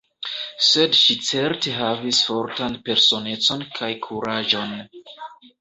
Sed ŝi certe havis fortan personecon kaj kuraĝon.